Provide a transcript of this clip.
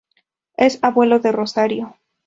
Es abuelo de Rosario.